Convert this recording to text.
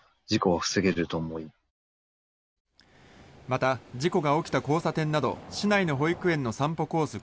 また、事故が起きた交差点など市内の保育園の散歩コース